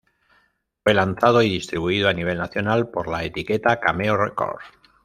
Fue lanzado y distribuido a nivel nacional por la etiqueta Cameo Records.